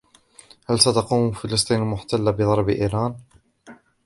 هل ستقوم "فلسطين المحتله" بضرب ايران؟